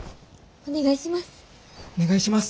お願いします！